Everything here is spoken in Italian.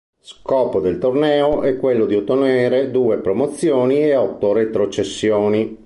Scopo del torneo è quello di ottenere due promozioni e otto retrocessioni.